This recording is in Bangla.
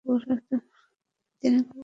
তিনি কলকাতার বেথুন স্কুলে ভর্তি হন।